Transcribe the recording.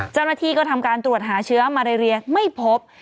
เจ้าหน้าที่ก็ทำการตรวจหาเชื้อมาเรเรียไม่พบ